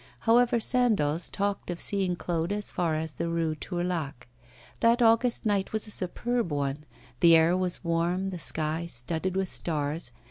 However, Sandoz talked of seeing Claude as far as the Rue Tourlaque. That August night was a superb one, the air was warm, the sky studded with stars.